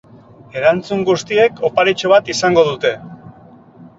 Erantzun guztiek oparitxo bat izango dute.